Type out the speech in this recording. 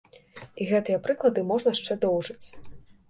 І гэткія прыклады можна шчэ доўжыць.